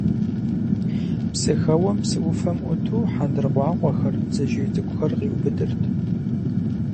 Псыхэуэм, псы ӏуфэм ӏуту, хьэндыркъуакъуэхэр, бдзэжьей цӏыкӏухэр къиубыдырт.